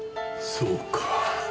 そうか。